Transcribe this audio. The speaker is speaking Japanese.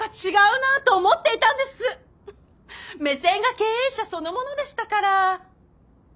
目線が経営者そのものでしたから。